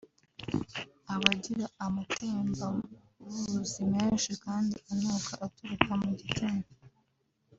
Abagira amatembabuzi menshi kandi anuka aturuka mu gitsina